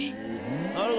なるほど。